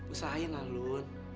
usahain lah lun